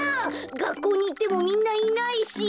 がっこうにいってもみんないないし。